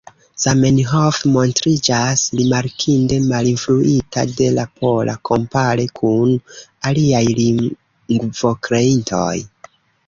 Zamenhof montriĝas rimarkinde malinfluita de la pola, kompare kun aliaj lingvokreintoj.